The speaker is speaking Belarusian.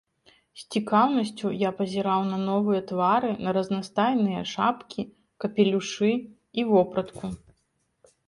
З цікаўнасцю я пазіраў на новыя твары, на разнастайныя шапкі, капелюшы і вопратку.